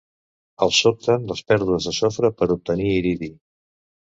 Els sobten les pèrdues de sofre per obtenir iridi.